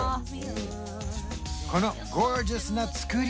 このゴージャスな作り